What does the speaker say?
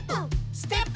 ステップ！